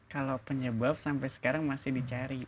kalau penyebab sampai sekarang masih dicari